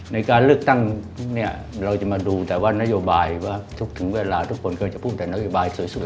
ในการเลือกตั้งเนี่ยเราจะมาดูแต่ว่านโยบายว่าทุกถึงเวลาทุกคนก็จะพูดแต่นโยบายสวย